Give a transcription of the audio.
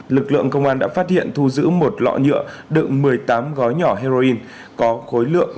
lực lượng công an đã phát hiện thu giữ một lọ nhựa đựng một mươi tám gói nhỏ heroin có khối lượng